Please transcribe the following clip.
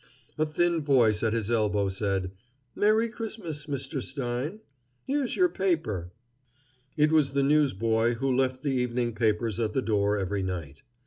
A thin voice at his elbow said: "Merry Christmas, Mr. Stein! Here's yer paper." It was the newsboy who left the evening papers at the door every night.